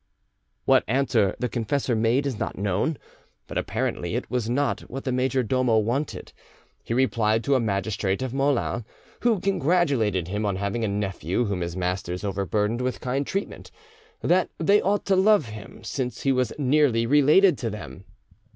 What answer the confessor made is not known, but apparently it was not what the major domo wanted. He replied to a magistrate of Moulins, who congratulated him on having a nephew whom his masters overburdened with kind treatment, that they ought to love him, since he was nearly related to them.